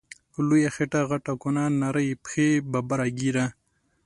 لویه خیټه غټه کونه، نرۍ پښی ببره ږیره